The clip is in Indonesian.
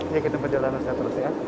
ya kita berjalan langsung terus ya